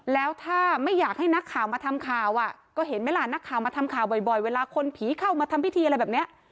แล้วถ้าไม่อยากให้นักข่าวมาทำข่าวก็เห็นไหมล่ะนักข่าวมาทำข่าวบ่อยเวลาคนผีเข้ามาทำพิธีอะไรแบบนี้